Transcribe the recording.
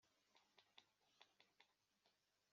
Bayatyazamo ubugi